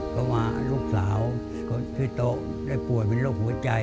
เพราะว่าลูกสาวเขาชื่อโต๊ะได้ป่วยเป็นโรคหัวใจ